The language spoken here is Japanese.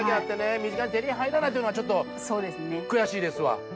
身近に手に入らないっていうのがちょっと悔しいですわ。